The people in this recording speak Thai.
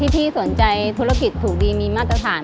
พี่สนใจธุรกิจถูกดีมีมาตรฐาน